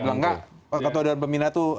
bilang nggak ketua dewan pembina itu